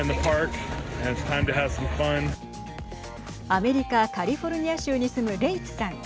アメリカカリフォルニア州に住むレイツさん。